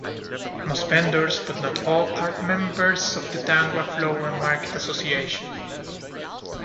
Most vendors, but not all, are members of the Dangwa Flower Market Association.